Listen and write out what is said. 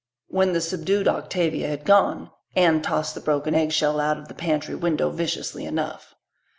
When the subdued Octavia had gone, Anne tossed the broken eggshell out of the pantry window viciously enough.